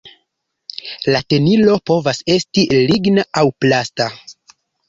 La tenilo povas esti ligna aŭ plasta.